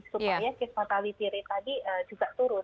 supaya case fatality rate tadi juga turun